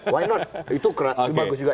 why not itu bagus juga